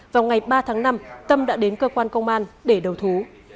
vào ngày ba tháng năm tâm đã đến cơ quan công an để đầu thú